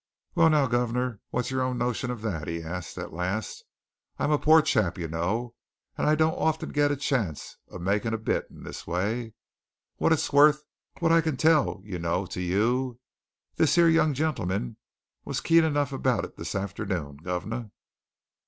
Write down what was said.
"Well, now, guv'nor, what's your own notion of that?" he asked at last. "I'm a poor chap, you know, and I don't often get a chance o' making a bit in this way. What's it worth what I can tell, you know to you? This here young gentleman was keen enough about it this afternoon, guv'nor."